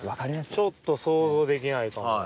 ちょっと想像できないかもな。